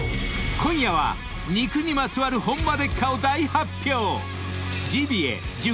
［今夜は肉にまつわるホンマでっか⁉を大発表！］